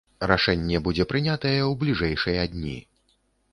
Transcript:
Рашэнне будзе прынятае ў бліжэйшыя дні.